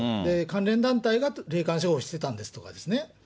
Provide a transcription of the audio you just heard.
関連団体が霊感商法してたんですとかね。